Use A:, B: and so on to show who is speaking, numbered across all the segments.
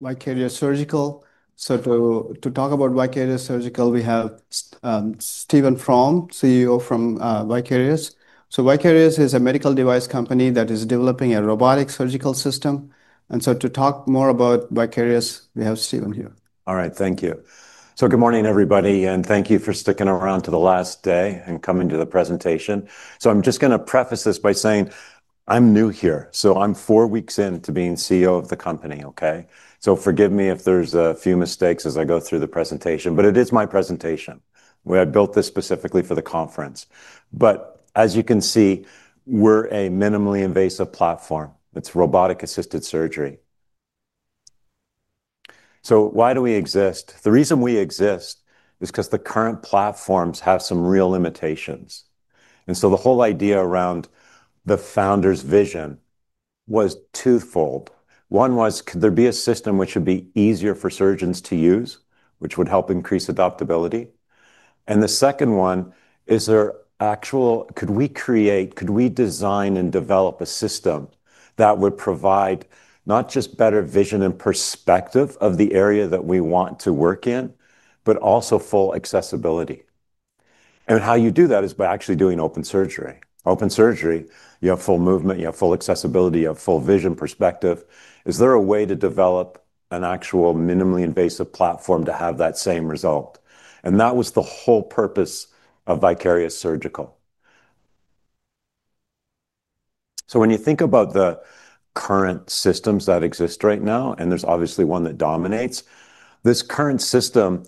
A: Vicarious Surgical. To talk about Vicarious Surgical, we have Stephen From, CEO from Vicarious. Vicarious is a medical device company that is developing a robotic surgical system. To talk more about Vicarious, we have Stephen here.
B: All right, thank you. Good morning, everybody, and thank you for sticking around to the last day and coming to the presentation. I'm just going to preface this by saying I'm new here. I'm four weeks into being CEO of the company, okay? Forgive me if there's a few mistakes as I go through the presentation, but it is my presentation. I built this specifically for the conference. As you can see, we're a minimally invasive platform. It's robotic-assisted surgery. Why do we exist? The reason we exist is because the current platforms have some real limitations. The whole idea around the founders' vision was twofold. One was, could there be a system which would be easier for surgeons to use, which would help increase adaptability? The second one is, could we create, could we design and develop a system that would provide not just better vision and perspective of the area that we want to work in, but also full accessibility? How you do that is by actually doing open surgery. Open surgery, you have full movement, you have full accessibility, you have full vision perspective. Is there a way to develop an actual minimally invasive platform to have that same result? That was the whole purpose of Vicarious Surgical. When you think about the current systems that exist right now, and there's obviously one that dominates, this current system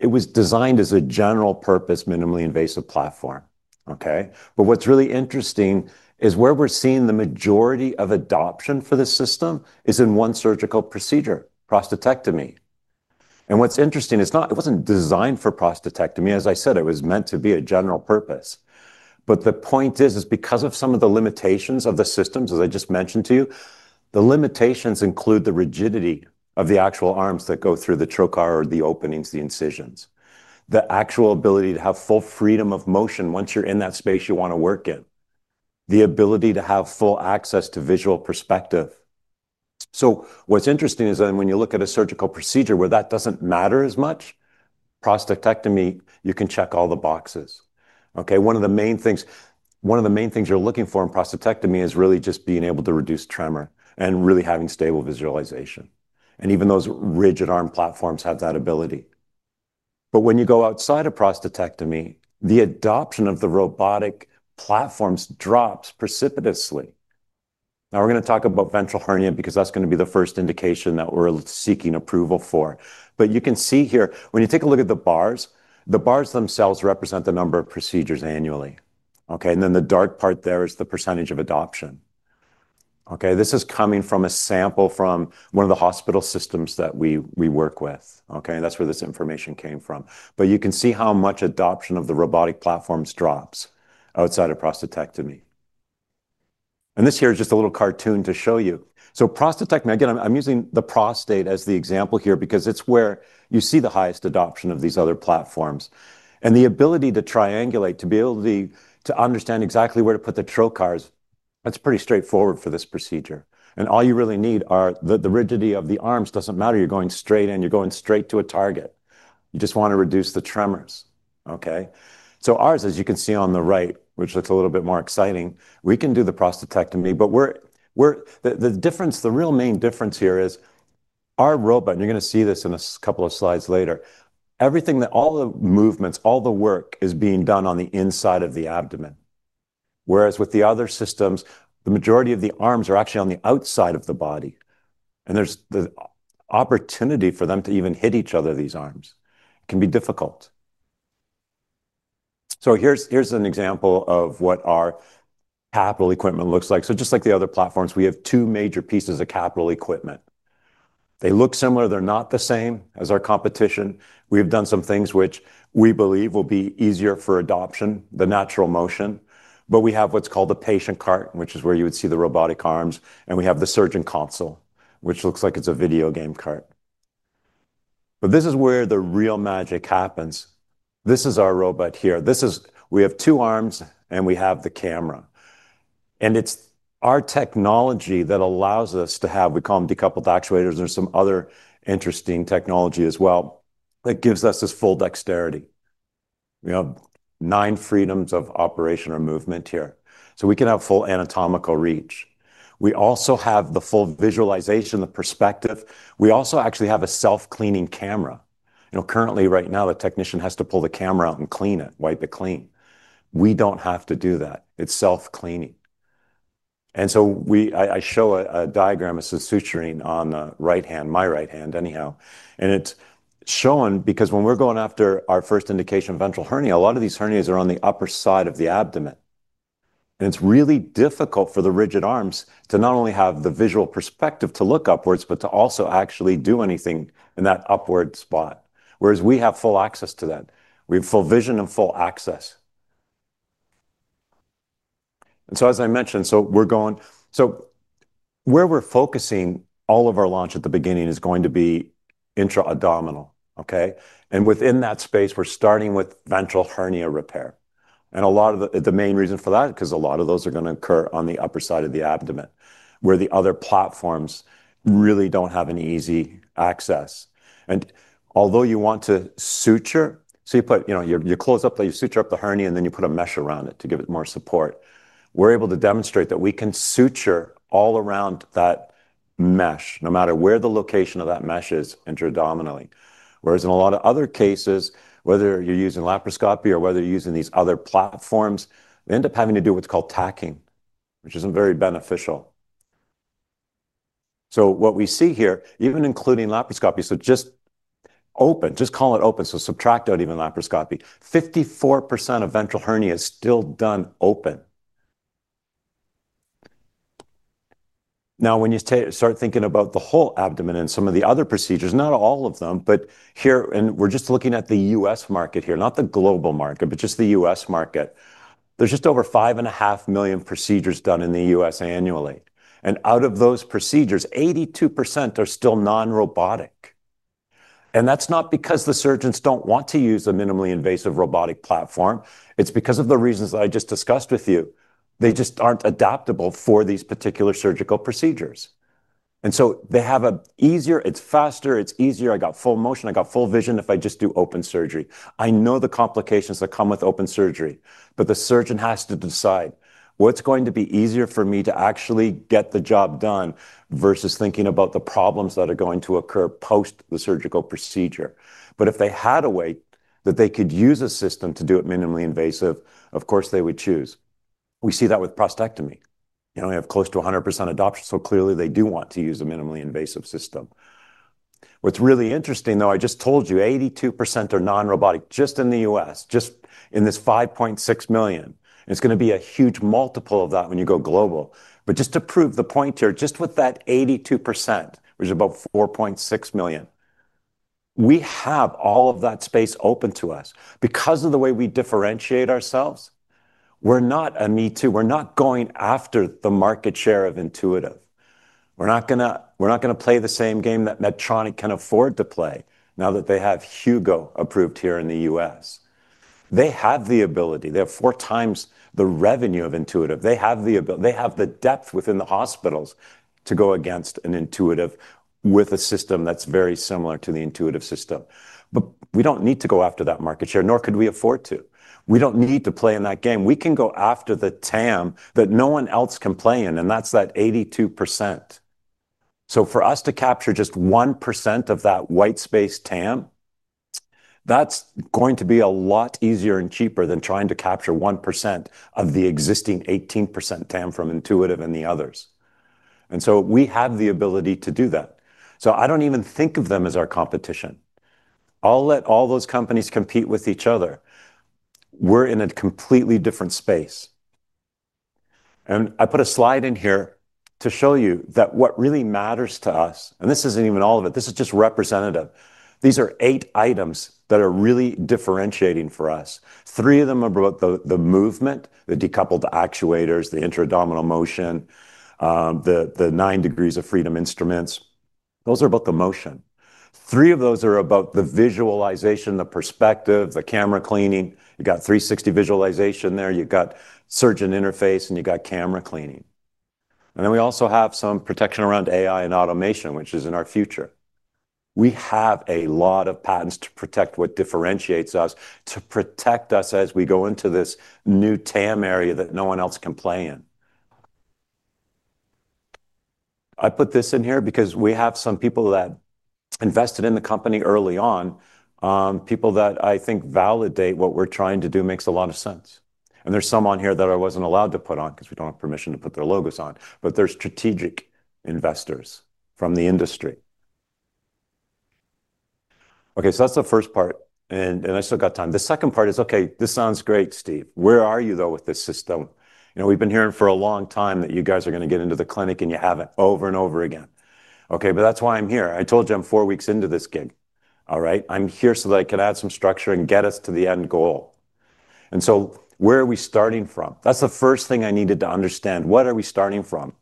B: was designed as a general-purpose minimally invasive platform, okay? What's really interesting is where we're seeing the majority of adoption for the system is in one surgical procedure, prostatectomy. What's interesting is it wasn't designed for prostatectomy. As I said, it was meant to be a general purpose. The point is, because of some of the limitations of the systems, as I just mentioned to you, the limitations include the rigidity of the actual arms that go through the trocar or the openings, the incisions, the actual ability to have full freedom of motion once you're in that space you want to work in, the ability to have full access to visual perspective. What's interesting is that when you look at a surgical procedure where that doesn't matter as much, prostatectomy, you can check all the boxes. One of the main things you're looking for in prostatectomy is really just being able to reduce tremor and really having stable visualization. Even those rigid arm platforms have that ability. When you go outside of prostatectomy, the adoption of the robotic platforms drops precipitously. Now we're going to talk about ventral hernia because that's going to be the first indication that we're seeking approval for. You can see here, when you take a look at the bars, the bars themselves represent the number of procedures annually, and then the dark part there is the percentage of adoption. This is coming from a sample from one of the hospital systems that we work with, and that's where this information came from. You can see how much adoption of the robotic platforms drops outside of prostatectomy. This here is just a little cartoon to show you. Prostatectomy, again, I'm using the prostate as the example here because it's where you see the highest adoption of these other platforms. The ability to triangulate, to be able to understand exactly where to put the trocars, that's pretty straightforward for this procedure. All you really need are the rigidity of the arms doesn't matter. You're going straight in, you're going straight to a target. You just want to reduce the tremors. Ours, as you can see on the right, which looks a little bit more exciting, we can do the prostatectomy, but the difference, the real main difference here is our robot, and you're going to see this in a couple of slides later, everything that all the movements, all the work is being done on the inside of the abdomen. Whereas with the other systems, the majority of the arms are actually on the outside of the body, and there's the opportunity for them to even hit each other. These arms can be difficult. Here's an example of what our capital equipment looks like. Just like the other platforms, we have two major pieces of capital equipment. They look similar. They're not the same as our competition. We've done some things which we believe will be easier for adoption, the natural motion. We have what's called the patient cart, which is where you would see the robotic arms, and we have the surgeon console, which looks like it's a video game cart. This is where the real magic happens. This is our robot here. We have two arms and we have the camera. It's our technology that allows us to have, we call them decoupled actuators. There's some other interesting technology as well that gives us this full dexterity. We have nine degrees of freedom of operation or movement here. We can have full anatomical reach. We also have the full visualization, the perspective. We also actually have a self-cleaning camera. Currently, right now, the technician has to pull the camera out and clean it, wipe it clean. We don't have to do that. It's self-cleaning. I show a diagram, it's a suturing on the right hand, my right hand anyhow. It's shown because when we're going after our first indication of ventral hernia, a lot of these hernias are on the upper side of the abdomen. It's really difficult for the rigid arms to not only have the visual perspective to look upwards, but to also actually do anything in that upward spot. We have full access to that. We have full vision and full access. As I mentioned, where we're focusing all of our launch at the beginning is going to be intra-abdominal. Within that space, we're starting with ventral hernia repair. A lot of the main reason for that is because a lot of those are going to occur on the upper side of the abdomen, where the other platforms really don't have any easy access. Although you want to suture, you close up, you suture up the hernia, and then you put a mesh around it to give it more support. We're able to demonstrate that we can suture all around that mesh, no matter where the location of that mesh is intra-abdominally. In a lot of other cases, whether you're using laparoscopy or whether you're using these other platforms, they end up having to do what's called tacking, which isn't very beneficial. What we see here, even including laparoscopy, just call it open. Subtract out even laparoscopy. 54% of ventral hernia is still done open. When you start thinking about the whole abdomen and some of the other procedures, not all of them, but here, and we're just looking at the U.S. market here, not the global market, but just the U.S. market. There's just over 5.5 million procedures done in the U.S. annually. Out of those procedures, 82% are still non-robotic. That's not because the surgeons don't want to use a minimally invasive robotic platform. It's because of the reasons that I just discussed with you. They just aren't adaptable for these particular surgical procedures. They have an easier, it's faster, it's easier. I got full motion. I got full vision if I just do open surgery. I know the complications that come with open surgery, but the surgeon has to decide what's going to be easier for me to actually get the job done versus thinking about the problems that are going to occur post the surgical procedure. If they had a way that they could use a system to do it minimally invasive, of course they would choose. We see that with prostatectomy. We have close to 100% adoption, so clearly they do want to use a minimally invasive system. What's really interesting though, I just told you 82% are non-robotic just in the U.S., just in this 5.6 million. It's going to be a huge multiple of that when you go global. Just to prove the point here, just with that 82%, which is about 4.6 million, we have all of that space open to us because of the way we differentiate ourselves. We're not a me too. We're not going after the market share of Intuitive Surgical. We're not going to play the same game that Medtronic can afford to play now that they have Hugo approved here in the U.S. They have the ability. They have four times the revenue of Intuitive. They have the ability. They have the depth within the hospitals to go against an Intuitive with a system that's very similar to the Intuitive system. We don't need to go after that market share, nor could we afford to. We don't need to play in that game. We can go after the TAM that no one else can play in, and that's that 82%. For us to capture just 1% of that white space TAM, that's going to be a lot easier and cheaper than trying to capture 1% of the existing 18% TAM from Intuitive and the others. We have the ability to do that. I don't even think of them as our competition. I'll let all those companies compete with each other. We're in a completely different space. I put a slide in here to show you that what really matters to us, and this isn't even all of it, this is just representative. These are eight items that are really differentiating for us. Three of them are about the movement, the decoupled actuators, the intra-abdominal motion, the nine degrees of freedom instruments. Those are about the motion. Three of those are about the visualization, the perspective, the camera cleaning. You've got 360 visualization there. You've got surgeon interface, and you've got camera cleaning. We also have some protection around AI and automation, which is in our future. We have a lot of patents to protect what differentiates us, to protect us as we go into this new TAM area that no one else can play in. I put this in here because we have some people that invested in the company early on, people that I think validate what we're trying to do makes a lot of sense. There's some on here that I wasn't allowed to put on because we don't have permission to put their logos on, but they're strategic investors from the industry. Okay, that's the first part, and I still got time. The second part is, okay, this sounds great, Steve. Where are you though with this system? You know, we've been hearing for a long time that you guys are going to get into the clinic and you haven't over and over again. That's why I'm here. I told you I'm four weeks into this gig. I'm here so that I can add some structure and get us to the end goal. Where are we starting from? That's the first thing I needed to understand. What are we starting from?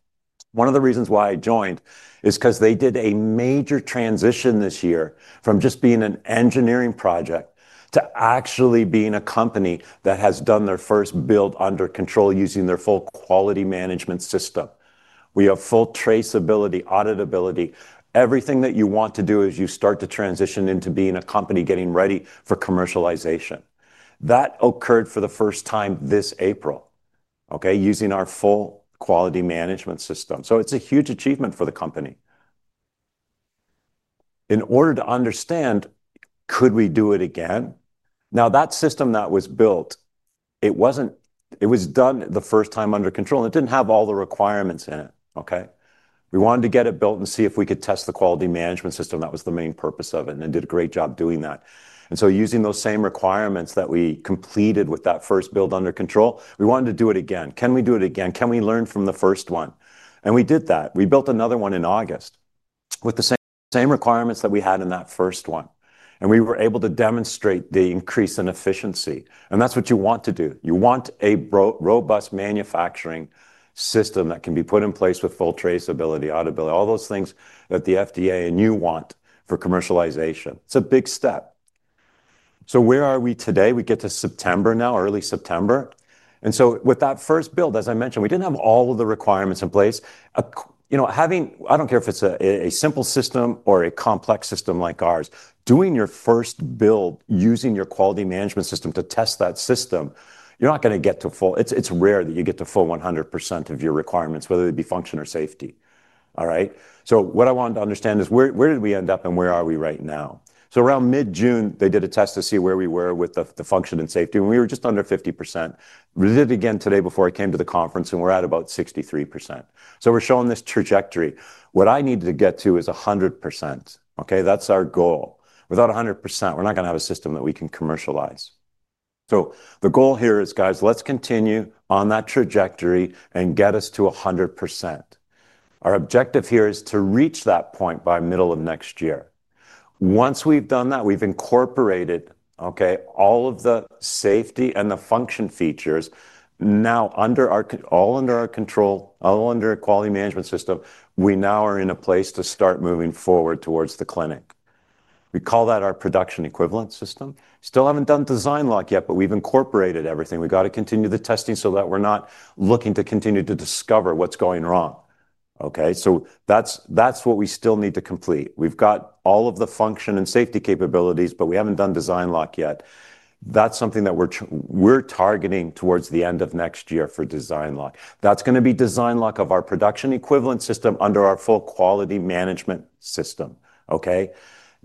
B: One of the reasons why I joined is because they did a major transition this year from just being an engineering project to actually being a company that has done their first build under control using their full quality management system. We have full traceability, auditability, everything that you want to do as you start to transition into being a company getting ready for commercialization. That occurred for the first time this April, using our full quality management system. It's a huge achievement for the company. In order to understand, could we do it again? Now that system that was built, it was done the first time under control, and it didn't have all the requirements in it. We wanted to get it built and see if we could test the quality management system. That was the main purpose of it, and it did a great job doing that. Using those same requirements that we completed with that first build under control, we wanted to do it again. Can we do it again? Can we learn from the first one? We did that. We built another one in August with the same requirements that we had in that first one. We were able to demonstrate the increase in efficiency. That's what you want to do. You want a robust manufacturing system that can be put in place with full traceability, auditability, all those things that the FDA and you want for commercialization. It's a big step. Where are we today? We get to September now, early September. With that first build, as I mentioned, we didn't have all of the requirements in place. Having, I don't care if it's a simple system or a complex system like ours, doing your first build using your quality management system to test that system, you're not going to get to full, it's rare that you get to full 100% of your requirements, whether it be function or safety. What I wanted to understand is where did we end up and where are we right now? Around mid-June, they did a test to see where we were with the function and safety, and we were just under 50%. We did it again today before I came to the conference, and we're at about 63%. We're showing this trajectory. What I needed to get to is 100%. That's our goal. Without 100%, we're not going to have a system that we can commercialize. The goal here is, guys, let's continue on that trajectory and get us to 100%. Our objective here is to reach that point by the middle of next year. Once we've done that, we've incorporated all of the safety and the function features now under our, all under our control, all under a quality management system. We now are in a place to start moving forward towards the clinic. We call that our production equivalent system. Still haven't done design lock yet, but we've incorporated everything. We've got to continue the testing so that we're not looking to continue to discover what's going wrong. That's what we still need to complete. We've got all of the function and safety capabilities, but we haven't done design lock yet. That's something that we're targeting towards the end of next year for design lock. That's going to be design lock of our production equivalent system under our full quality management system.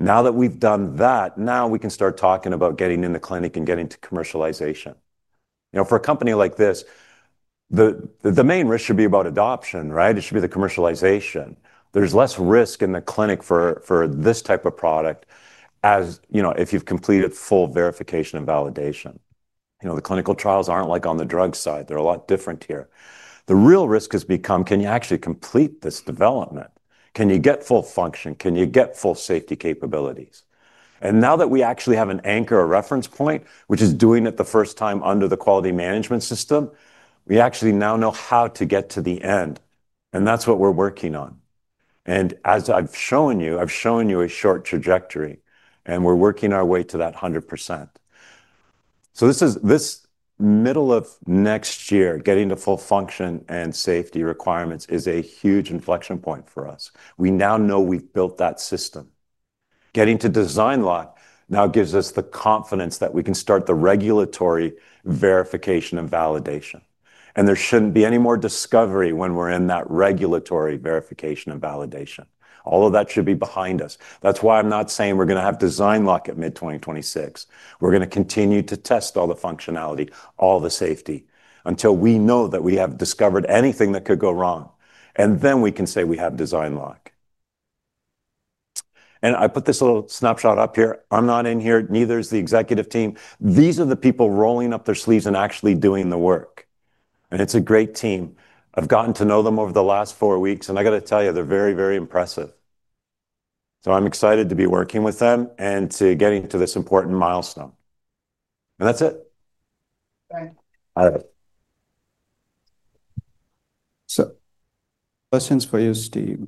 B: Now that we've done that, now we can start talking about getting in the clinic and getting to commercialization. For a company like this, the main risk should be about adoption, right? It should be the commercialization. There's less risk in the clinic for this type of product as, you know, if you've completed full verification and validation. The clinical trials aren't like on the drug side. They're a lot different here. The real risk has become, can you actually complete this development? Can you get full function? Can you get full safety capabilities? Now that we actually have an anchor, a reference point, which is doing it the first time under the full quality management system, we actually now know how to get to the end. That's what we're working on. As I've shown you, I've shown you a short trajectory, and we're working our way to that 100%. This middle of next year, getting to full function and safety requirements is a huge inflection point for us. We now know we've built that system. Getting to design lock now gives us the confidence that we can start the regulatory verification and validation. There shouldn't be any more discovery when we're in that regulatory verification and validation. All of that should be behind us. That's why I'm not saying we're going to have design lock at mid-2026. We're going to continue to test all the functionality, all the safety, until we know that we have discovered anything that could go wrong. Then we can say we have design lock. I put this little snapshot up here. I'm not in here. Neither is the executive team. These are the people rolling up their sleeves and actually doing the work. It's a great team. I've gotten to know them over the last four weeks, and I got to tell you, they're very, very impressive. I'm excited to be working with them and to getting to this important milestone. That's it.
A: Questions for you, Steve.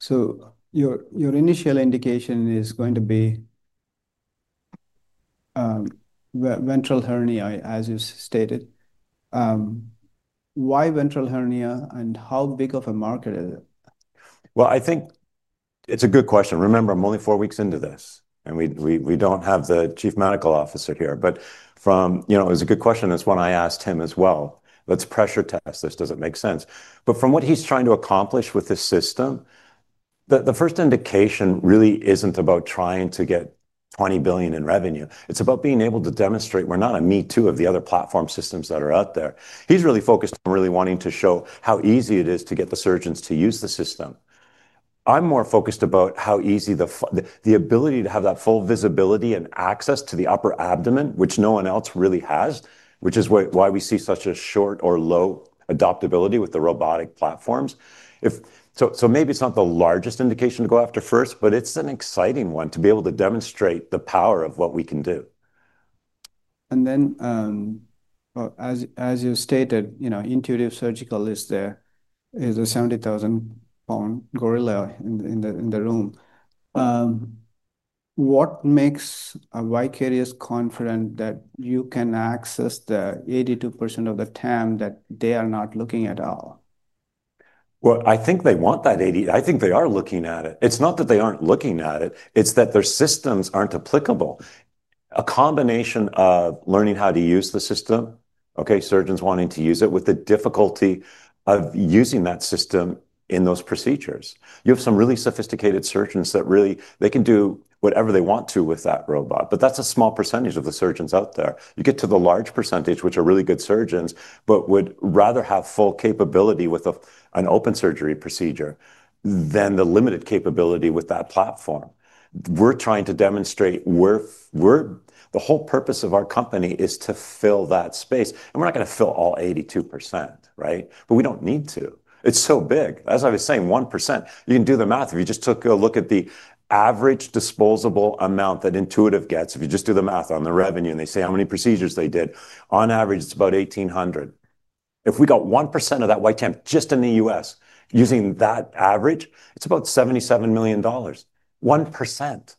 A: Your initial indication is going to be ventral hernia, as you stated. Why ventral hernia, and how big of a market is it?
B: I think it's a good question. I'm only four weeks into this, and we don't have the Chief Medical Officer here. It was a good question. That's when I asked him as well, let's pressure test this. Does it make sense? From what he's trying to accomplish with this system, the first indication really isn't about trying to get $20 billion in revenue. It's about being able to demonstrate we're not a me too of the other platform systems that are out there. He's really focused on really wanting to show how easy it is to get the surgeons to use the system. I'm more focused about how easy the ability to have that full visibility and access to the upper abdomen, which no one else really has, which is why we see such a short or low adoptability with the robotic platforms. Maybe it's not the largest indication to go after first, but it's an exciting one to be able to demonstrate the power of what we can do.
A: As you stated, you know, Intuitive Surgical is there, is a 70,000-pound gorilla in the room. What makes Vicarious confident that you can access the 82% of the TAM that they are not looking at all?
B: I think they want that 80%. I think they are looking at it. It's not that they aren't looking at it. It's that their systems aren't applicable. A combination of learning how to use the system, surgeons wanting to use it with the difficulty of using that system in those procedures. You have some really sophisticated surgeons that really, they can do whatever they want to with that robot. That's a small percentage of the surgeons out there. You get to the large percentage, which are really good surgeons, but would rather have full capability with an open surgery procedure than the limited capability with that platform. We're trying to demonstrate we're, the whole purpose of our company is to fill that space. We're not going to fill all 82%, right? We don't need to. It's so big. As I was saying, 1%. You can do the math. If you just took a look at the average disposable amount that Intuitive gets, if you just do the math on the revenue and they say how many procedures they did, on average, it's about $1,800. If we got 1% of that white TAM just in the U.S., using that average, it's about $77 million. 1%.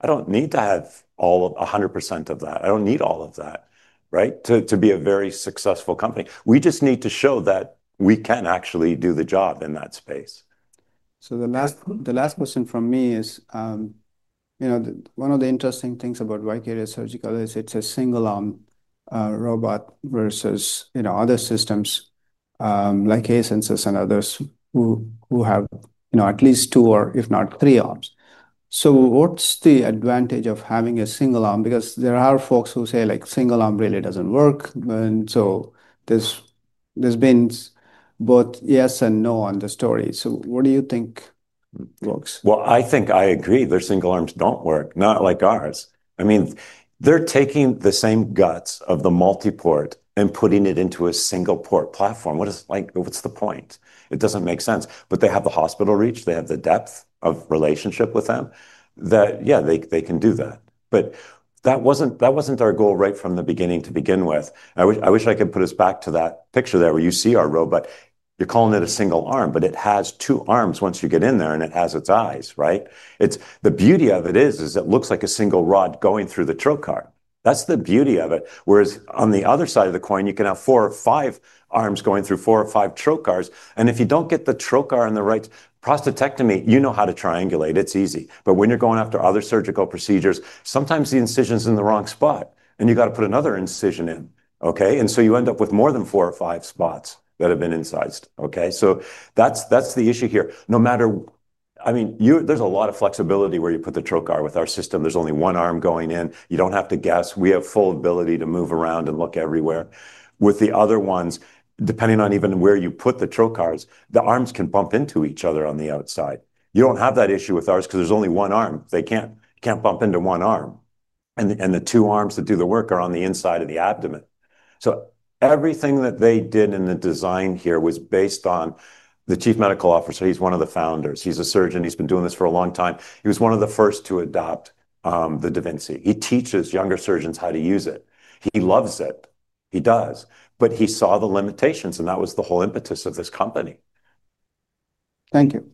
B: I don't need to have all of 100% of that. I don't need all of that, right? To be a very successful company. We just need to show that we can actually do the job in that space.
A: The last question from me is, you know, one of the interesting things about Vicarious Surgical is it's a single-arm robot versus, you know, other systems like Asensus and others who have, you know, at least two or if not three arms. What's the advantage of having a single arm? There are folks who say like single arm really doesn't work. There's been both yes and no on the story. What do you think works?
B: I think I agree their single arms don't work, not like ours. I mean, they're taking the same guts of the multi-port and putting it into a single-port platform. What is, like, what's the point? It doesn't make sense. They have the hospital reach, they have the depth of relationship with them that, yeah, they can do that. That wasn't our goal right from the beginning to begin with. I wish I could put us back to that picture there where you see our robot. You're calling it a single arm, but it has two arms once you get in there and it has its eyes, right? The beauty of it is, it looks like a single rod going through the trocar. That's the beauty of it. Whereas on the other side of the coin, you can have four or five arms going through four or five trocars. If you don't get the trocar in the right prostatectomy, you know how to triangulate. It's easy. When you're going after other surgical procedures, sometimes the incision's in the wrong spot and you got to put another incision in. You end up with more than four or five spots that have been incised. That's the issue here. No matter, I mean, there's a lot of flexibility where you put the trocar with our system. There's only one arm going in. You don't have to guess. We have full ability to move around and look everywhere. With the other ones, depending on even where you put the trocars, the arms can bump into each other on the outside. You don't have that issue with ours because there's only one arm. They can't bump into one arm. The two arms that do the work are on the inside of the abdomen. Everything that they did in the design here was based on the Chief Medical Officer. He's one of the founders. He's a surgeon. He's been doing this for a long time. He was one of the first to adopt the da Vinci. He teaches younger surgeons how to use it. He loves it. He does. He saw the limitations, and that was the whole impetus of this company.
A: Thank you.
B: Okay.